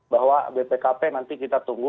bahwa bpkp nanti kita tunggu